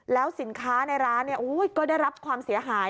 แล้วสินค้าในร้านก็ได้รับความเสียหาย